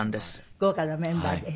豪華なメンバーで。